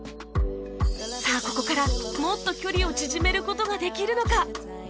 さあここからもっと距離を縮める事ができるのか？